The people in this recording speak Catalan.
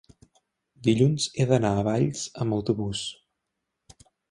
dilluns he d'anar a Valls amb autobús.